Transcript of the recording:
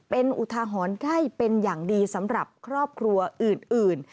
เป็นอุทาหรณ์ใกล้เป็นอย่างดีสำหรับครอบครัวอื่น